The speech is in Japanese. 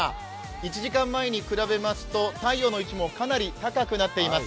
１時間前に比べますと、太陽の位置もかなり高くなっています。